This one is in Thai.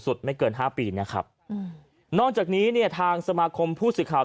ไม่เกินห้าปีนะครับอืมนอกจากนี้เนี่ยทางสมาคมผู้สื่อข่าว